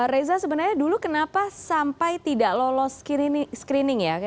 reza sebenarnya dulu kenapa sampai tidak lolos screening ya